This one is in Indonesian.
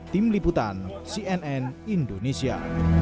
tim liputan cnn indonesia